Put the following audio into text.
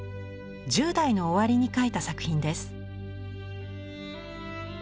１０代の終わりに描いた作品です。